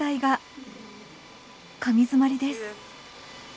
紙詰まりです。